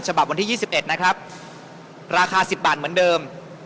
วันที่๒๑นะครับราคา๑๐บาทเหมือนเดิม